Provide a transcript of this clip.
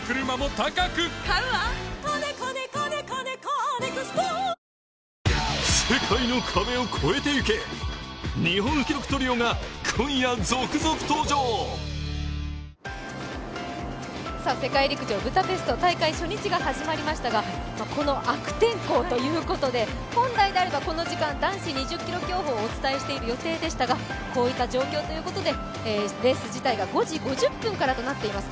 リブネスタウンへ世界陸上ブダペスト、大会初日が始まりましたがこの悪天候ということで、本来であればこの時間男子２０ｋｍ競歩をお伝えしている予定でしたが、こういった状況ということでレース自体が５時５０分からとなっています。